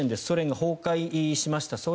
ソ連が崩壊しました。